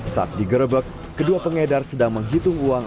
saat digerebek kedua pengedar sedang menghitung uang